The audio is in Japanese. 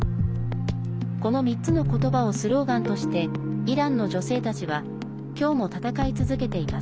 この３つの言葉をスローガンとしてイランの女性たちは今日も戦い続けています。